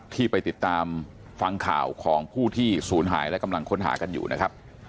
ที่ไปติดตามฟังข่าวของผู้ที่ศูนย์หายและกำลังค้นหากันอยู่นะครับ